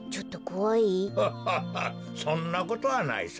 アハハそんなことはないさ。